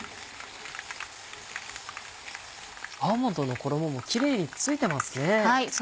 アーモンドの衣もキレイに付いてますね。